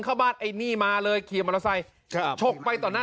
เขาก็บอกดูนี่มันมาเอาเกงในเห็นนะ